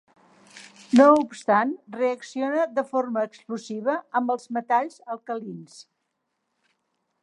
No obstant, reacciona de forma explosiva amb els metalls alcalins.